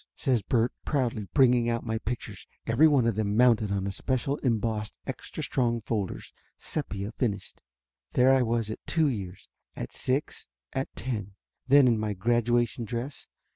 says Bert proudly bringing out my pictures, every one of them mounted on his special embossed extra strong folders, sepia finished. There I was at two years, at six, at ten. Then in my graduation dress.